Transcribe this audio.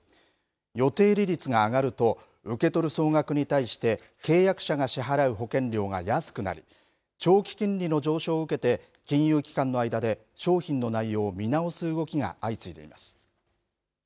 予定利率が上がると受け取る総額に対して契約者が支払う保険料が安くなり長期金利の上昇を受けて金融機関の間で商品の内容を見直す動きが相次いでいます。